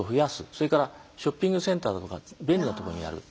それからショッピングセンターだとか便利なところにやる。